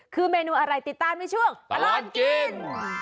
คือเมนูอะไรติดตามในช่วงตลอดกิน